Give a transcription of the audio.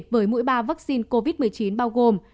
với mỗi ba vaccine covid một mươi chín bao gồm